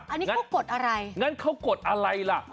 อันนี้เขากดอะไรงั้นเขากดอะไรล่ะ